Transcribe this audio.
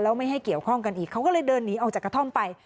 แล้วไม่ให้เกี่ยวข้องกันอีกเขาก็เลยเดินหนีออกจากกระท่อมไป